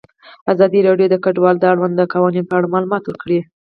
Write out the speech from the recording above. ازادي راډیو د کډوال د اړونده قوانینو په اړه معلومات ورکړي.